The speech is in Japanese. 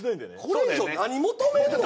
これ以上何求めんの？